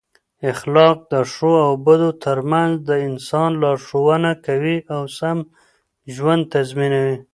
اخلاق د ښو او بدو ترمنځ د انسان لارښوونه کوي او سم ژوند تضمینوي.